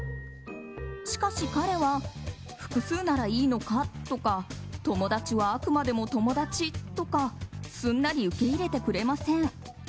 しかし彼は複数ならいいの？とか友達はあくまでも友達とかすんなり受け入れてくれません。